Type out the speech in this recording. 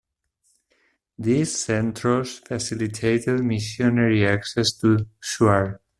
These "centros" facilitated missionary access to Shuar.